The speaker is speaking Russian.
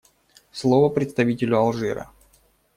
Слово представителю Алжира.